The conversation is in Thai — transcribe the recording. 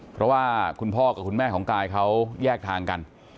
เพราะว่าคุณพ่อกับคุณแม่ของกายเขาแยกทางกัน